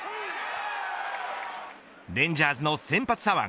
レンジャーズの先発左腕